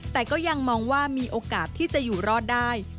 แต่ก็ยังมองว่ามีโอกาสที่จะอยู่รอดได้